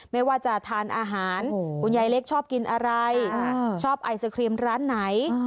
ไม่ว่าจะทานอาหารคุณยายเล็กชอบกินอะไรชอบไอศครีมร้านไหน